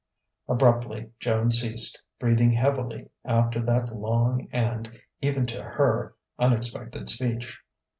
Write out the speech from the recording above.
Abruptly Joan ceased, breathing heavily after that long and, even to her, unexpected speech.